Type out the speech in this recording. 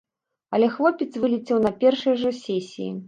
Але хлопец вылецеў на першай жа сесіі.